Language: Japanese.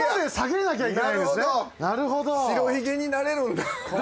白ひげになれるんだ。